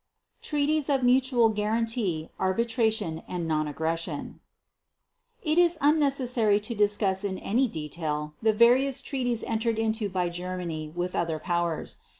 Treaties of Mutual Guarantee, Arbitration, and Non Aggression It is unnecessary to discuss in any detail the various treaties entered into by Germany with other Powers.